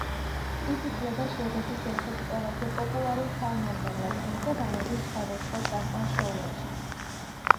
ის ითვლება შვედეთის ერთ-ერთ ყველაზე პოპულარულ ქალ მომღერლად და გამოდის სხვადასხვა წამყვან შოუებში.